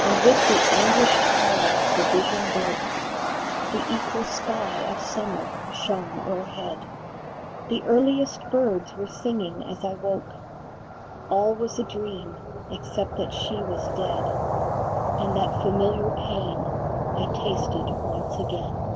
And with the anguished call the vision broke, The equal sky of summer shone o erhead ; The earliest birds were singing as I woke, All was a dream, except that she was dead, And that familiar pain I tasted once again.